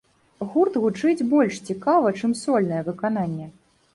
Гурт гучыць больш цікава, чым сольнае выкананне.